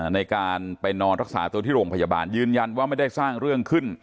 ในการไปนอนรักษาตัวที่โรงพยาบาลยืนยันว่าไม่ได้สร้างเรื่องขึ้น